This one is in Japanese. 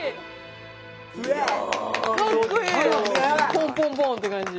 ポンポンポンって感じ。